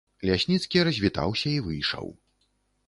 Лясніцкі развітаўся і выйшаў.